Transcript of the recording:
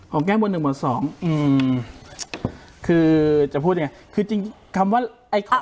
ของแก้หมดหนึ่งหมดสองอืมคือจะพูดยังไงคือจริงคำว่าอ่า